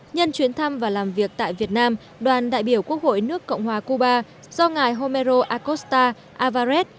nhân chuyến thăm và làm việc tại việt nam đoàn đại biểu quốc hội nước cộng hòa cuba do ngài homero acosta alvarez